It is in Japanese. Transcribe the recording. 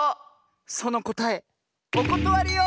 そのこたえおことわりよ！